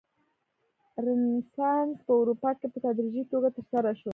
رنسانس په اروپا کې په تدریجي توګه ترسره شو.